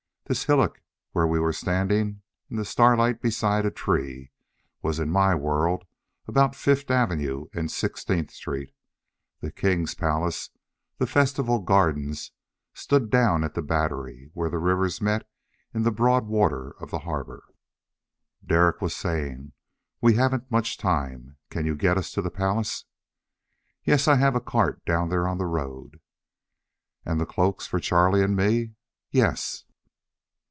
This hillock, where we were standing in the starlight beside a tree, was in my world about Fifth Avenue and Sixteenth Street. The king's palace the festival gardens stood down at the Battery, where the rivers met in the broad water of the harbor. Derek was saying, "We haven't much time: can you get us to the palace?" "Yes. I have a cart down there on the road." "And the cloaks for Charlie and me?" "Yes."